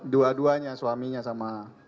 dua duanya suaminya sama